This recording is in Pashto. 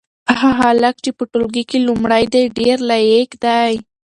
هغه هلک چې په ټولګي کې لومړی دی ډېر لایق دی.